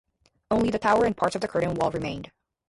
Only the tower and parts of the curtain wall remained.